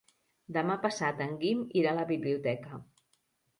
Demà passat en Guim irà a la biblioteca.